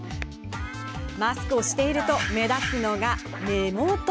マスクをしていると目立つのが目元。